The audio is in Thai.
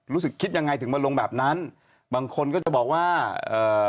รู้สึกคิดยังไงถึงมาลงแบบนั้นบางคนก็จะบอกว่าเอ่อ